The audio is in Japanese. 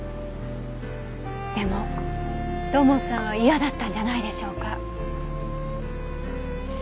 でも土門さんは嫌だったんじゃないでしょうか。